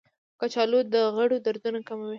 کچالو د غړو دردونه کموي.